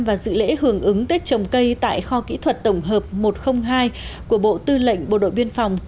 và dự lễ hưởng ứng tết trồng cây tại kho kỹ thuật tổng hợp một trăm linh hai của bộ tư lệnh bộ đội biên phòng